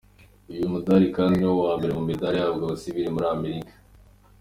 Uyu mudali kandi ni wo wa mbere mu midali ihabwa abacivil muri Amerika.